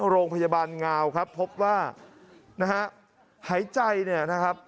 โรงพยาบาลงาวครับพบว่านะฮะหายใจเนี่ยนะครับ